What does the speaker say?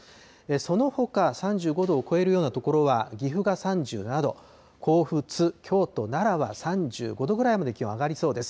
そのほか、３５度を超えるような所は岐阜が３７度、甲府、津、京都、奈良は３５度ぐらいまで気温が上がりそうです。